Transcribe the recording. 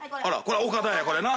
岡田やこれな。